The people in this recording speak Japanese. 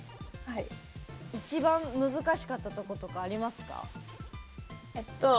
一番難しかったところとかありますか？